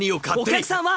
お客さんは！